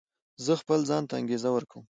زه خپل ځان ته انګېزه ورکوم.